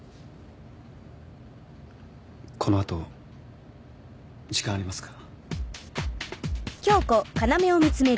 このあと時間ありますか？